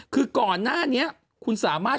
คือก่อนหน้านี้คุณสามารถ